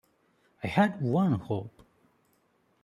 I had one hope.